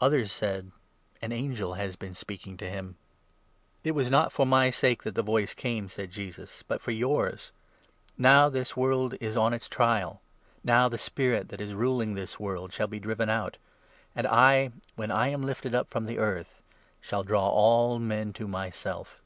Others said: "An angel has been speaking to him." 13 PS. 1 1 8. 25, 26. 14 15 Zech. 9. 9. 27 Ps. 42. 0, 192 JOHN, 12. " It was not for my sake that the voice came," said Jesus, 30 " but for yours. Now this world is on its trial. Now the Spirit 31 that is ruling this world shall be driven out ; and I, when 32 I am lifted up from the earth, shall draw all men to myself."